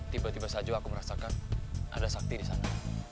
tiba tiba saja aku merasakan ada sakti di sana